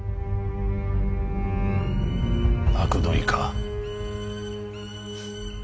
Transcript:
あくどいか。